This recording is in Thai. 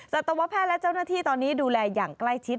สัตวแพทย์และเจ้าหน้าที่ตอนนี้ดูแลอย่างใกล้ชิด